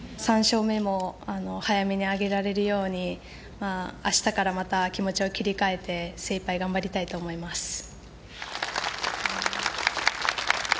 ３勝目も早めに挙げられるように明日からまた気持ちを切り替えて精一杯頑張りたいと思います。